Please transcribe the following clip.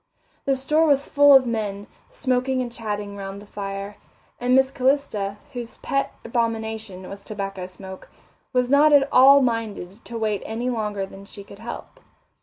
The store was full of men, smoking and chatting around the fire, and Miss Calista, whose pet abomination was tobacco smoke, was not at all minded to wait any longer than she could help.